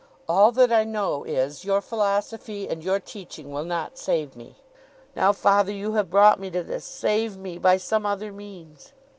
All that I know is, your philosophy and your teaching will not save me. Now, father, you have brought me to this. Save me by some other means!